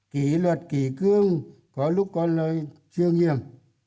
kỷ luật kỷ cương có lúc có lợi chưa nghiêm